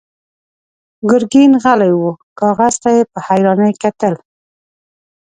ګرګين غلی و، کاغذ ته يې په حيرانۍ کتل.